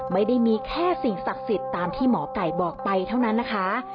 ไม่ได้มีแค่สิ่งศักดิ์สิทธิ์ตามที่หมอไก่บอกไปเท่านั้นนะคะ